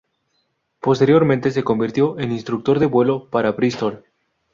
Posteriormente se convirtió en instructor de vuelo para Bristol.